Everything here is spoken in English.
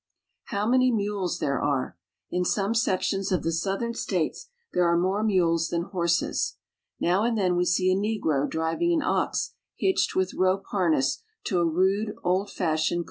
How many mules there are! In some sections of the southern states there are more mules than horses. Now and then we see a negro driving an ox hitched with rope harness to a rude, old fashioned cart.